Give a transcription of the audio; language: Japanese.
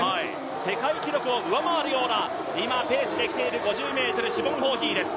世界記録を上回るような今、ペースで来ているシボン・ホーヒーです。